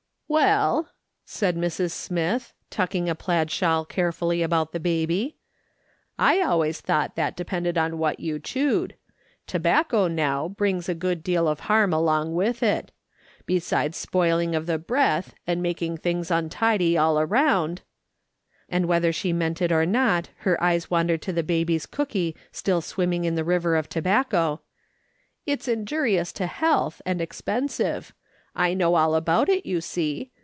" Well," said Mrs. Smith, tucking the plaid shawl carefully about the baby, " I always thought that depended on what you chewed. Tobacco, now, brings a good deal of harm along with it. Besides spoiling of the breath, and making tilings untidy all around" — and whether she meant it or not, her eyes wandered to the baby's cooky still swimming in the river of tobacco —" it's injurious to health, and ex pensive ; I know all about it, you see.